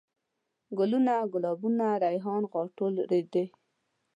ګلوونه ،ګلابونه ،ريحان ،غاټول ،رېدی